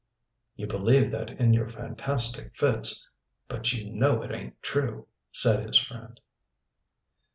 "You believe that in your fantastic fits but you know it ain't true," said his friend.